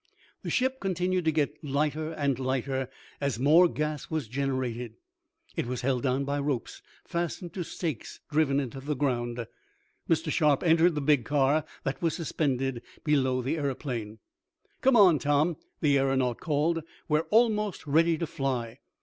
The ship continued to get lighter and lighter as more gas was generated. It was held down by ropes, fastened to stakes driven in the ground. Mr. Sharp entered the big car that was suspended, below the aeroplanes. "Come on, Tom," the aeronaut called. "We're almost ready to fly.